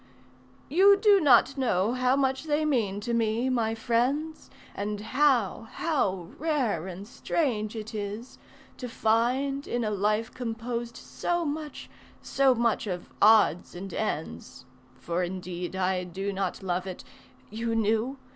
"You do not know how much they mean to me, my friends, And how, how rare and strange it is, to find In a life composed so much, so much of odds and ends, (For indeed I do not love it... you knew?